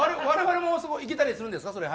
我々も行けたりするんですか？